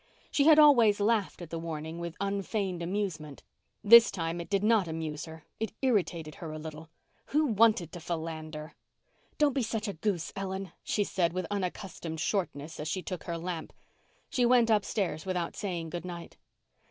She had always laughed at the warning with unfeigned amusement. This time it did not amuse her—it irritated her a little. Who wanted to philander? "Don't be such a goose, Ellen," she said with unaccustomed shortness as she took her lamp. She went upstairs without saying goodnight.